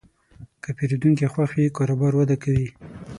که پیرودونکی خوښ وي، کاروبار وده کوي.